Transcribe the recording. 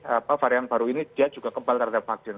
apa varian baru ini dia juga kebal terhadap vaksin